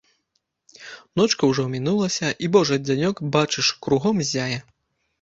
Ночка ўжо мінулася, і божы дзянёк, бачыш, кругом ззяе.